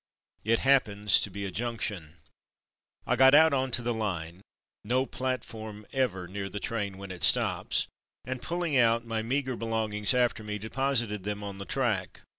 It happens to be a junction. I got out on to the line (no platform ever near the train when it stops), and pulling out my meagre belongings after me deposited them on the track.